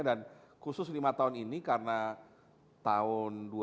dan khusus lima tahun ini karena tahun dua ribu delapan belas